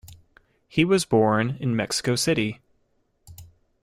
He was born in Mexico City.